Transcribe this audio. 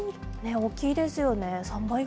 大きいですよね。